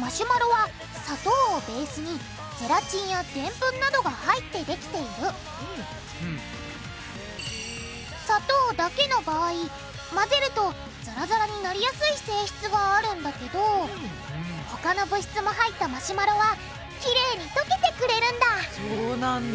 マシュマロは砂糖をベースにゼラチンやデンプンなどが入ってできている砂糖だけの場合混ぜるとザラザラになりやすい性質があるんだけど他の物質も入ったマシュマロはきれいにとけてくれるんだそうなんだ。